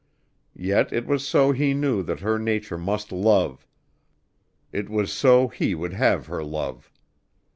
Yet, it was so he knew that her nature must love it was so he would have her love.